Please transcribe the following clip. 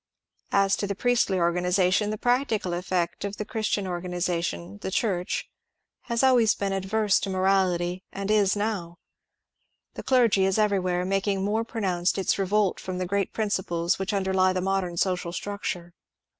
As to the priestly organization, the practical effect of the Christian organization, ^^ the Church," has always been adverse to moraUty^d is n^w. The dei^ is everfwhere making more pronounced its revolt from the great principles which underlie the modem social structure.